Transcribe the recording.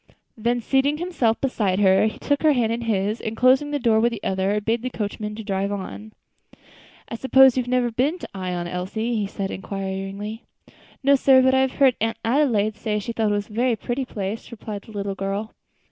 Then, seating himself beside her, he took her hand in his; and, closing the door with the other, bade the coachman drive on. "I suppose you have never been to Ion, Elsie?" he said, inquiringly. "No, sir; but I have heard Aunt Adelaide say she thought it a very pretty place," replied the little girl.